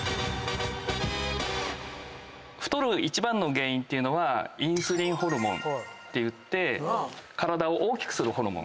太る一番の原因っていうのはインスリンホルモンっていって体を大きくするホルモン。